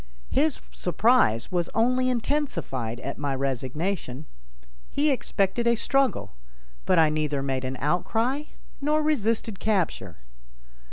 His surprise was only intensified at my resignation. He expected a struggle, but I neither made an outcry nor resisted capture.